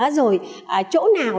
rồi chỗ nào